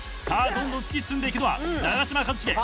さあどんどん突き進んでいくのは長嶋一茂。